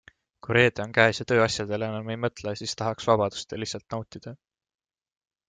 Kui reede on käes ja tööasjadele enam ei mõtle, siis tahaks vabadust ja lihtsalt nautida.